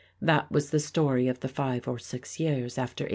That was the story of the five or six years after 1893.